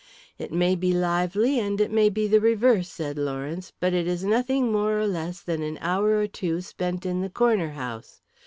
"It may be lively and it may be the reverse," said Lawrence, "but it is nothing more or less than an hour or two spent in the corner house.